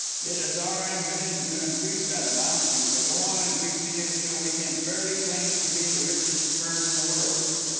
It is our ambition to increase that amount and to go on increasing it till we can fairly claim to be the richest Firm in the world.